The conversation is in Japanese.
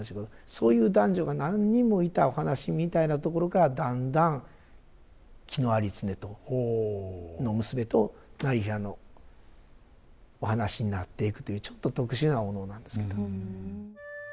そういう男女が何人もいたお話みたいなところからだんだん紀有常の娘と業平のお話になっていくというちょっと特殊なお能なんですけど。